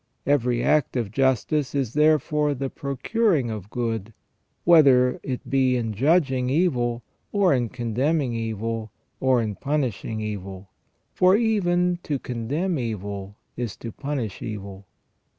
Every act of justice is therefore the procuring of good, whether it be in judging evil, or in condemning evil, or in punishing evil, for even to condemn evil is to punish evil.